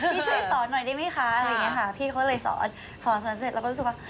พี่ช่วยสอนหน่อยได้ไหมคะพี่เขาเลยสอนสอนสอนเสร็จแล้วก็รู้สึกว่า